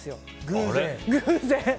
偶然。